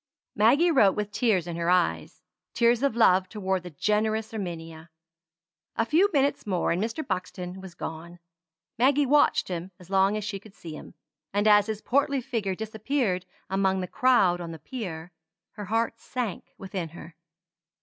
Maggie wrote with tears in her eyes tears of love toward the generous Erminia. A few minutes more and Mr. Buxton was gone. Maggie watched him as long as she could see him; and as his portly figure disappeared among the crowd on the pier, her heart sank within her.